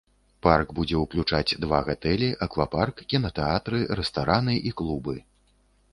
Парк будзе ўключаць два гатэлі, аквапарк, кінатэатры, рэстараны і клубы.